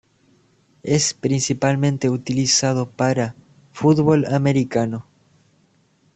Es utilizado principalmente para fútbol americano.